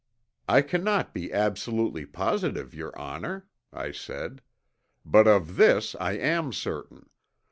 "I cannot be absolutely positive, your honor," I said, "but of this I am certain.